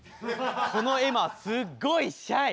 この絵馬すっごいシャイ。